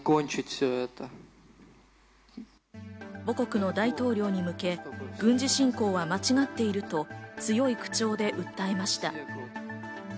母国の大統領に向け軍事侵攻は間違っていると、強い口調で訴えました。